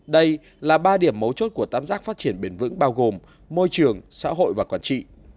đây là ba điểm mấu chốt của tám giác phát triển bền vững bao gồm môi trường xã hội và quản trị